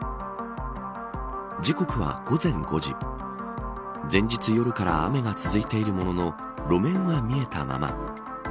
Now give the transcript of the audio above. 時刻は午前５時前日夜から雨が続いているものの路面は見えたまま。